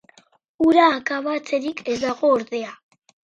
Hura akabatzerik ez dago, ordea.